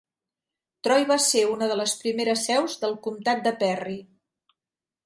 Troy va ser una de les primeres seus del comtat de Perry.